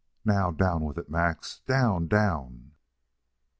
Now, down with it. Max! Down! down!"